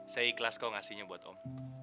saya ikhlas kok ngasihnya buat om